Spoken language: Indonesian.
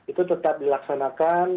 itu tetap dilaksanakan